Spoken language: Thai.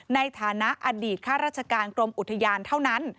ในฐานะอดีตข้าราชการกรมอุทยานเท่านั้น